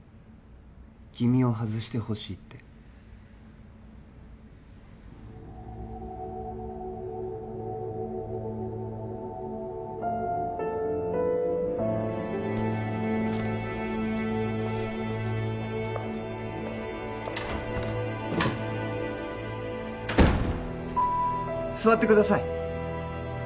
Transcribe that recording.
君を外してほしいって座ってください